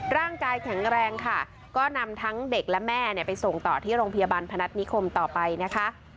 ร่างกายแข็งแรงค่ะก็นำทั้งเด็กและแม่ไปส่งต่อที่โรงพยาบาลพนัฐนิคมต่อไปนะคะ